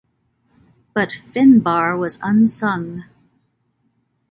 But Finbarr was unsung.